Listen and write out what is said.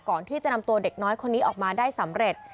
ก่อนที่จะนำตัวเด็กน้อยคนนี้ออกมาได้สำเร็จ